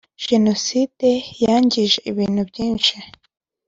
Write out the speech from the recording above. genocide yangije ibintu byishi.